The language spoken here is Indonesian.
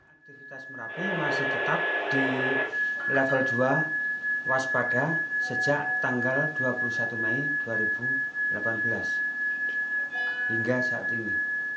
aktivitas merapi masih tetap di level dua waspada sejak tanggal dua puluh satu mei dua ribu delapan belas hingga saat ini